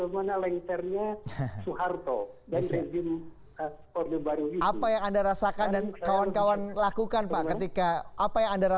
baik pak anwar